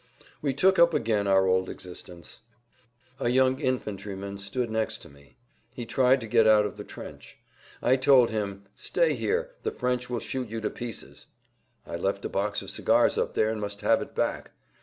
We took up again our old existence. A young infantryman stood next to me. He tried to get out of the trench. I told him: "Stay here; the French will shoot you to pieces." "I left a box of cigars up there, and must have it back."